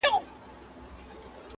نه د ډیک غریب زړګی ورنه صبرېږي،